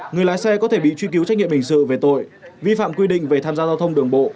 người lái xe có thể bị truy cứu trách nhiệm hình sự về tội vi phạm quy định về tham gia giao thông đường bộ